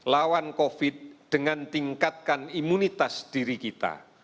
lawan covid dengan tingkatkan imunitas diri kita